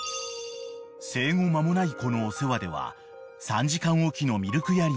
［生後間もない子のお世話では３時間置きのミルクやりが必須］